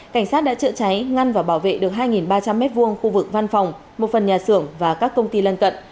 cảnh sát đã chữa cháy ngăn và bảo vệ được hai ba trăm linh m hai khu vực văn phòng một phần nhà xưởng và các công ty lân cận